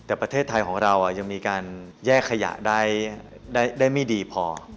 แต่ประเทศไทยของเรายังมีการแยกขยะได้ไม่ดีพอ